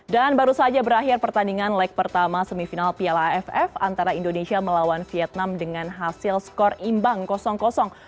dan baru saja berakhir pertandingan leg pertama semifinal piala aff antara indonesia melawan vietnam dengan hasil skor imbang